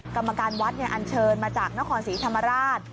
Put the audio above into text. กรรมการวัดอันเชิญมาจากนครศรีธรรมราช